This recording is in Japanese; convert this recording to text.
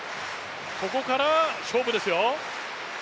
ここから勝負ですよ。